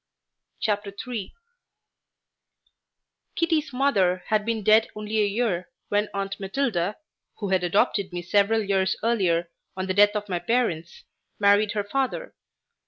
CHAPTER III Kitty's mother had been dead only a year when Aunt Matilda, who had adopted me several years earlier on the death of my parents, married her father.